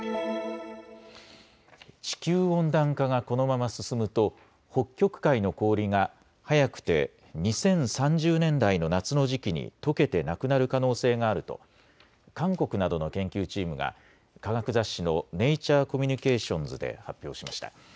地球温暖化がこのまま進むと北極海の氷が早くて２０３０年代の夏の時期にとけてなくなる可能性があると韓国などの研究チームが科学雑誌のネイチャー・コミュニケーションズで発表しました。